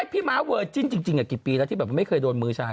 ม้าเวอร์จิ้นจริงกี่ปีแล้วที่แบบไม่เคยโดนมือชาย